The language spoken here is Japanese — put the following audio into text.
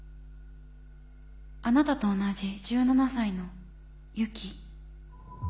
あなたと同じ１７才のユキ。